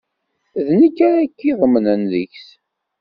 D nekk ara k-iḍemnen deg-s.